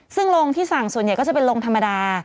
ซึ่งลงที่สั่งส่วนใหญ่ก็จะเป็นลงธรรมดา